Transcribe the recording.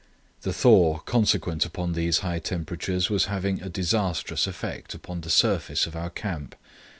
The thaw consequent upon these high temperatures was having a disastrous effect upon the surface of our camp.